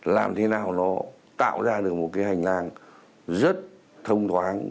làm thế nào nó tạo ra được một cái hành lang rất thông thoáng